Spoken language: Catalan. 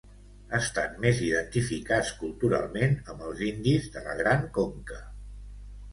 Estan més identificats culturalment amb els indis de la Gran Conca.